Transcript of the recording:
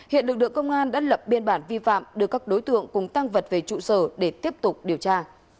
hiện lực lượng công an đã lập biên bản vi phạm đưa các đối tượng cùng tăng vật về trụ sở để tiếp tục điều tra